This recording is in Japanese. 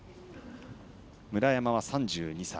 村山は３２歳。